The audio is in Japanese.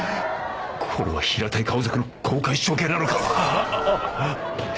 これは平たい顔族の公開処刑なのか？